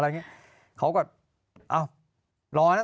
อะไรเงี้ย